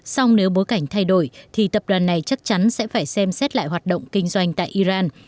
song nếu bối cảnh thay đổi thì tập đoàn này chắc chắn sẽ phải xem xét lại hoạt động kinh doanh tại iran